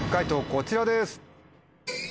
こちらです。